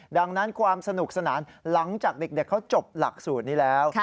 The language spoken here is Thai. ดังนั้นความสนุกสนานหลังจากเด็กเขาจบหลักสูตรนี้แล้ว